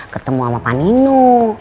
ketemu sama panino